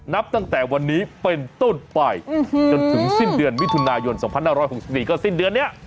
นับตั้งแต่วันนี้เป็นต้นไปจนถึงสิ้นเดือนมิถุนายน๒๕๖๔ก็สิ้นเดือนนี้